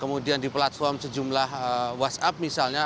kemudian di platform sejumlah whatsapp misalnya